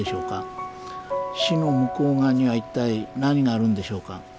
死の向こう側には一体何があるんでしょうか。